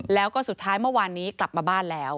แล้วก็สุดท้ายเมื่อวานนี้กลับมาบ้านแล้ว